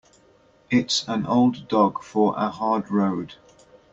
It's an old dog for a hard road.